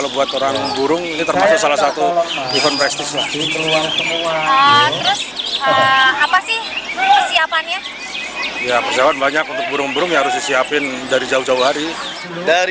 berita terkini mengenai perjalanan ke jalak harupat